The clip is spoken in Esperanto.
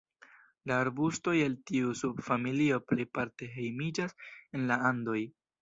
La arbustoj el tiu subfamilio plejparte hejmiĝas en la Andoj.